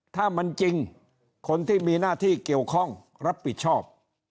ถ้ามันจริงคนที่มีหน้าที่เกี่ยวข้องรับผิดชอบ